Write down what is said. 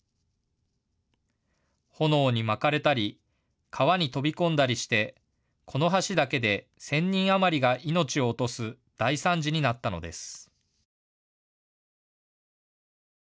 炎に巻かれたり川に飛び込んだりしてこの橋だけで１０００人余りが命を落とす大惨事になったのです。